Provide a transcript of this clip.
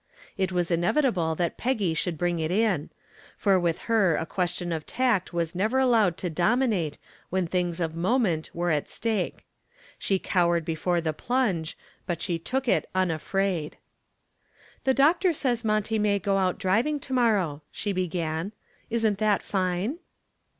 It was inevitable that Peggy should bring it in; for with her a question of tact was never allowed to dominate when things of moment were at stake. She cowered before the plunge, but she took it unafraid. "The doctor says Monty may go out driving to morrow," she began. "Isn't that fine?"